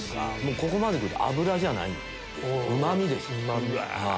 ここまでくると脂じゃないうまみですね。